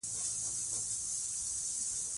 چار مغز د افغان کلتور او لرغونو دودونو سره تړاو لري.